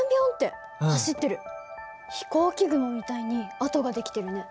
飛行機雲みたいに跡が出来てるね。